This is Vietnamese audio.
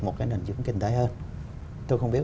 một cái nền chứng kinh tế hơn tôi không biết